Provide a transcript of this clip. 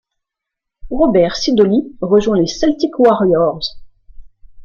Robert Sidoli rejoint les Celtic Warriors.